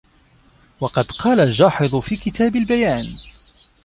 وَقَدْ قَالَ الْجَاحِظُ فِي كِتَابِ الْبَيَانِ